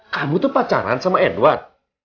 kamu tuh pacaran sama edward